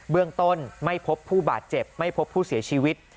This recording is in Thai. เรื่องต้นไม่พบผู้บาดเจ็บไม่พบผู้เสียชีวิต